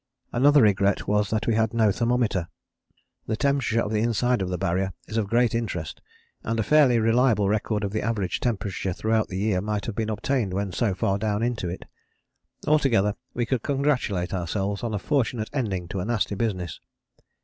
Another regret was that we had no thermometer: the temperature of the inside of the Barrier is of great interest and a fairly reliable record of the average temperature throughout the year might have been obtained when so far down into it. Altogether we could congratulate ourselves on a fortunate ending to a nasty business.